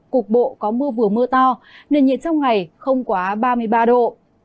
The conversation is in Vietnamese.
cục bộ có mưa vừa mưa to nền nhiệt trong ngày không quá ba mươi ba độ